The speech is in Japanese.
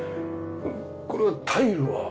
これはタイルは？